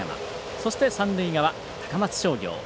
そして、三塁側、高松商業。